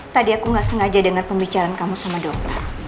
tadi aku gak sengaja denger pembicaraan kamu sama dokter